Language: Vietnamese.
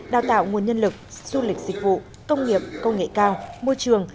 đào tạo nguồn nhân lực du lịch dịch vụ công nghiệp công nghệ cao môi trường